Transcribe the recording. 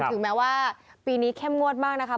ถึงแม้ว่าปีนี้เข้มงวดมากนะคะ